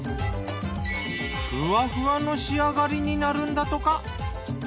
ふわふわの仕上がりになるんだとか。